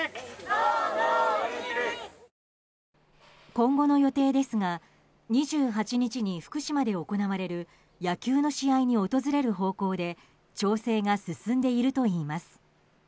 今後の予定ですが２８日に福島で行われる野球の試合に訪れる方向で調整が進んでいるといいます。